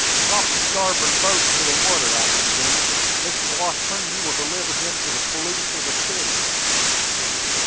"Drop the starboard boat into the water," I continued. "Mr. Washburn, you will deliver him to the police of the city."